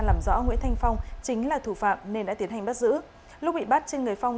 làm rõ nguyễn thanh phong chính là thủ phạm nên đã tiến hành bắt giữ lúc bị bắt trên người phong